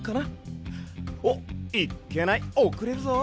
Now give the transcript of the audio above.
おっいっけないおくれるぞ！